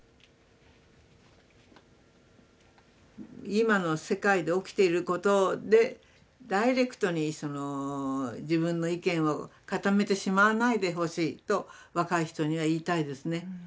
今の世界で起きていることでダイレクトに自分の意見を固めてしまわないでほしいと若い人には言いたいですね。